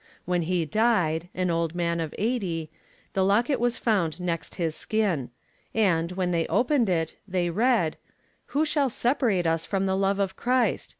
When he died, an old man of eighty, the locket was found next his skin. And, when they opened it, they read: '_Who shall separate us from the love of Christ?